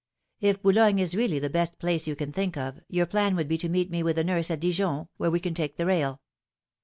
If Boulogne is really the best place you can think of, your plan would be to meet me with the nurse at Dijon, where we can take the rail.